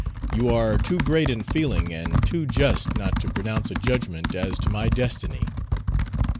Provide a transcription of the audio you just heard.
You are too great in feeling and too just not to pronounce a judgment as to my destiny.